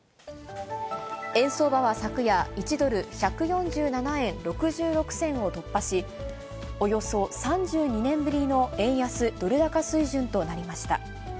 円相場は昨夜、１ドル１４７円６６銭を突破し、およそ３２年ぶりの円安ドル高水準となりました。